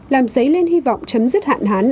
làm giấy lên hy vọng chấm dứt hạn hán